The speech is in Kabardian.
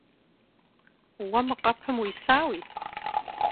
Уэ мы къэпым уисауи?